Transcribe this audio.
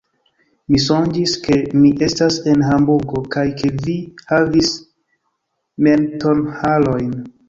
Mi sonĝis, ke mi estas en Hamburgo kaj ke vi havis mentonharojn.